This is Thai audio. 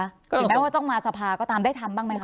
ถึงแม้ว่าต้องมาสภาก็ตามได้ทำบ้างไหมคะ